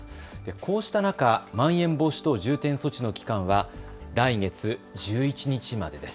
こうした中、まん延防止等重点措置の期間は来月１１日までです。